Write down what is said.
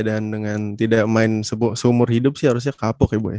dan dengan tidak main seumur hidup sih harusnya kapok ya bu